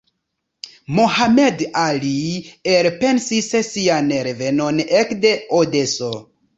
Mohammad Ali elpensis sian revenon ekde Odeso.